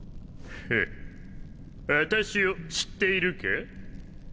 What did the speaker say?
フッ私を知っているか？